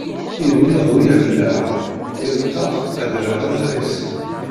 I bniɣ d wi ɛellaɣ, yal ṭṭaq ɛedleɣ ladris.